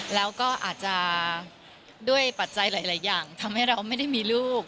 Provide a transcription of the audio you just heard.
แล้วก็อาจจะด้วยปัจจัยหลายอย่างทำให้เราไม่ได้มีลูก